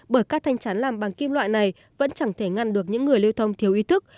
bởi các thanh chắn làm bằng kim loại này vẫn chẳng thể ngăn được những người lưu thông thiếu ý thức